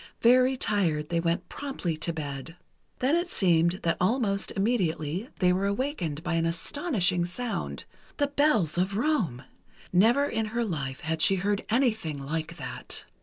Very tired, they went promptly to bed. Then it seemed that almost immediately they were awakened by an astonishing sound—the bells of Rome! Never in her life had she heard anything like that.